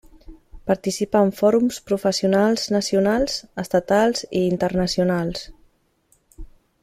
Participa en fòrums professionals nacionals, estatals i internacionals.